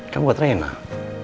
kamu buatnya enak